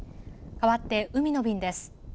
かわって海の便です。